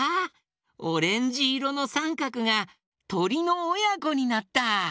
オレンジいろのさんかくがとりのおやこになった！